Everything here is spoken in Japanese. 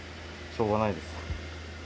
しょうがないです。